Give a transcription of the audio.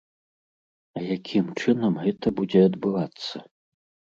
А якім чынам гэта будзе адбывацца?